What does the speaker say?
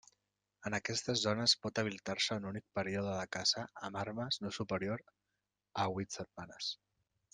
En aquestes zones pot habilitar-se un únic període de caça amb armes no superior a huit setmanes.